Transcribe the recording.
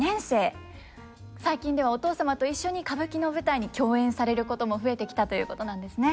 最近ではお父様と一緒に歌舞伎の舞台に共演されることも増えてきたということなんですね。